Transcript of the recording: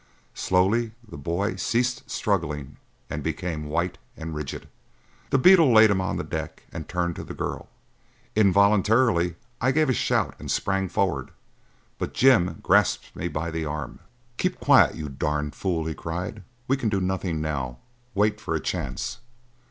Slowly the boy ceased struggling and became white and rigid. The beetle laid him on the deck and turned to the girl. Involuntarily I gave a shout and sprang forward, but Jim grasped me by the arm. "Keep quiet, you darned fool!" he cried. "We can do nothing now. Wait for a chance!"